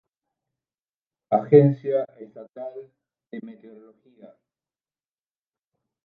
Agencia Estatal de Meteorología.